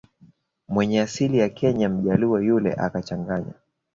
mwenye asili ya Kenya Mjaluo yule akachanganya